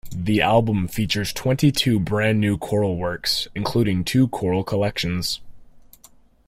The album features twenty-two brand new choral works including two choral collections.